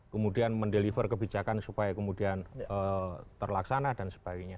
kemudian mendeliver kebijakan supaya kemudian terlaksana dan sebagainya